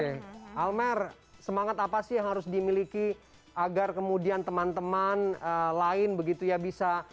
oke almer semangat apa sih yang harus dimiliki agar kemudian teman teman lain begitu ya bisa